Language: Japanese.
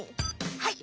はい。